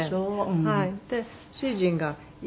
はい。